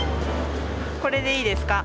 これでいいですか？